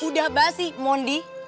udah abah sih mondi